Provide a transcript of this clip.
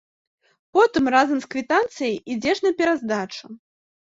Потым разам з квітанцыяй ідзеш на пераздачу.